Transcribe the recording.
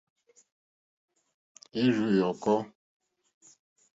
Ìrzù yɔ̀kɔ́.